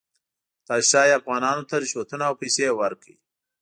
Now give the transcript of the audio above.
تاسې ښایي افغانانو ته رشوتونه او پیسې ورکړئ.